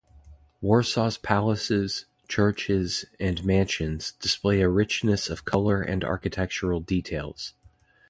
Warsaw's palaces, churches and mansions display a richness of color and architectural details.